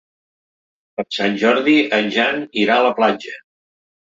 Per Sant Jordi en Jan irà a la platja.